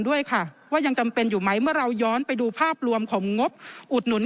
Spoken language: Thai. ด้วยค่ะว่ายังจำเป็นอยู่ไหมเมื่อเราย้อนไปดูภาพรวมของงบอุดหนุน